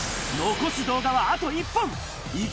残す動画はあと１本。